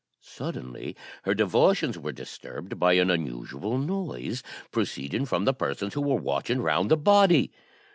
Suddenly her devotions were disturbed by an unusual noise, proceeding from the persons who were watching round the body.